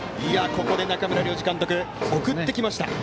ここで中村良二監督送ってきました。